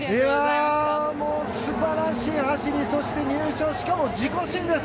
素晴らしい走りそして、入賞しかも自己新です。